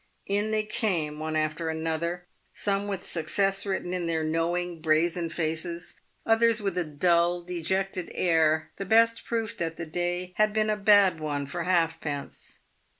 In they came, one after another, some with success written in their knowing, brazen faces, others with a dull, dejected air, the best proof that the day had been a bad one for halfpence.